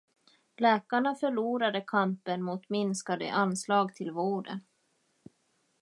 Läkarna förlorade kampen mot minskade anslag till vården.